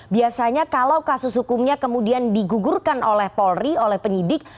biasanya kalau kasus hukumnya kemudian digugurkan oleh polri oleh penyidik